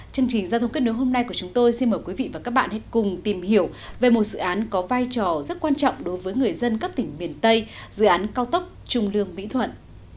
chương trình giao thông kết nối hôm nay của chúng tôi xin mời quý vị và các bạn hãy cùng tìm hiểu về một dự án có vai trò rất quan trọng đối với người dân các tỉnh miền tây dự án cao tốc trung lương mỹ thuận